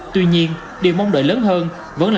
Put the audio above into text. tuy nhiên điều mong đợi lớn hơn vẫn là